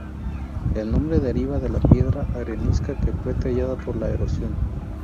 El nombre deriva de la piedra arenisca que fue tallada por la erosión.